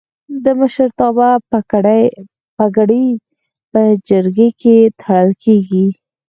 د مشرتابه پګړۍ په جرګه کې تړل کیږي.